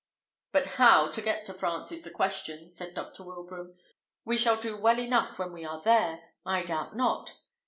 "But how to get to France is the question," said Dr. Wilbraham: "we shall do well enough when we are there, I doubt not.